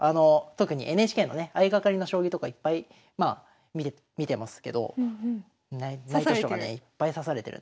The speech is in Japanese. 特にＮＨＫのね相掛かりの将棋とかいっぱいまあ見てますけど指されてる。